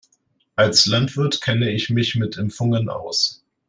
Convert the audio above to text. Als Landwirt kenne ich mich mit Impfungen aus.